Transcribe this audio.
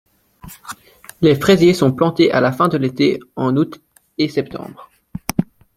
Les fraisiers sont plantés à la fin de l'été, en août et septembre.